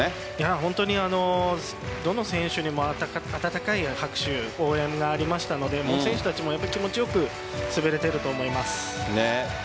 本当にどの選手にも温かい拍手応援がありましたし選手たちも気持ちよく滑れていると思います。